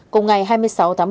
cùng ngày hai mươi sáu tháng